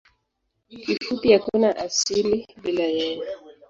Kifupi hakuna asili bila yeye.